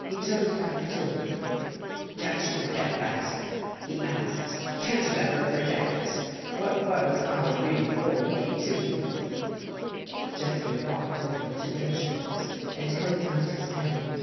He turned back to her. " Can't you forget that?" he asked. "Can't you ever forget it? What was Irene Fournier to you? " Jeffrey walked over to Richards and held out his hand.